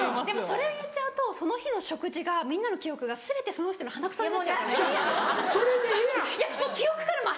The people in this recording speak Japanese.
でもそれを言っちゃうとその日の食事がみんなの記憶が全てその人の鼻くそになっちゃうじゃないですか。